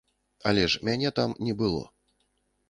Але ж мяне там не было.